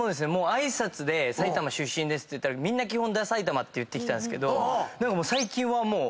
挨拶で埼玉出身ですと言ったらみんな基本ダサいたまって言ってきたんですけど最近はもう。